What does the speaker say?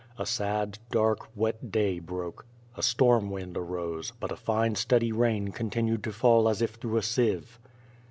A sad, dark, wet day broke. A storm wind arose, but a fine steady rain continued to fall as if through a sieve.